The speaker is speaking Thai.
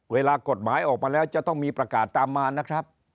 เวลากฎหมายออกมาแล้วจะต้องมีประกาศตามมานะครับ